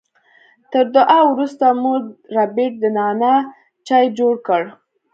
تر دعا وروسته مور ربیټ د نعنا چای جوړ کړ